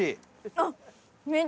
あっ！